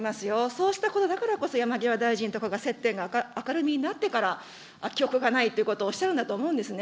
そうしたことだからこそ、山際大臣とかが接点が明るみになってから、記憶がないということをおっしゃるんだと思うんですね。